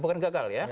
bukan gagal ya